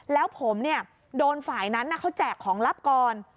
แล้วผมโดนฝ่ายนั้นเขาแจกของลับก่อน